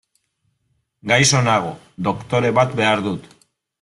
Gaixo nago, doktore bat behar dut.